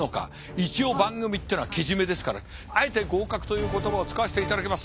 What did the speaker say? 一応番組ってのはけじめですからあえて合格という言葉を使わせていただきます。